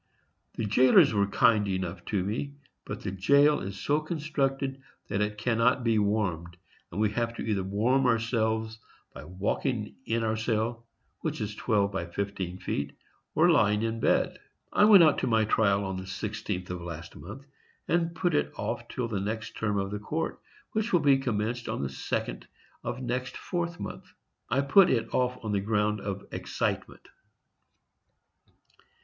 The jailers are kind enough to me, but the jail is so constructed that it cannot be warmed, and we have to either warm ourselves by walking in our cell, which is twelve by fifteen feet, or by lying in bed. I went out to my trial on the 16th of last month, and put it off till the next term of the court, which will be commenced on the second of next 4th month. I put it off on the ground of excitement.